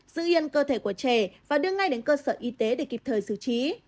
giữ yên cơ thể của trẻ và đưa ngay đến cơ sở y tế để kịp thời xử trí